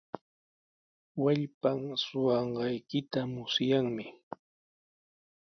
Wallpan suqanqaykita musyanmi.